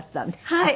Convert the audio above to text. はい。